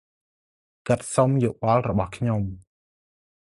គាត់សុំយោបល់របស់ខ្ញុំ។